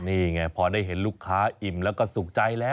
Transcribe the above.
นี่ไงพอได้เห็นลูกค้าอิ่มแล้วก็สุขใจแล้ว